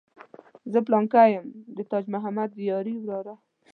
زه پلانکی یم د تاج محمد یاري وراره.